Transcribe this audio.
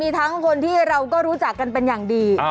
ทั้งคนที่เราก็รู้จักกันเป็นอย่างดี